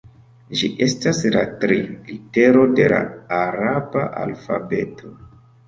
Ĝi estas la tri litero de la araba alfabeto.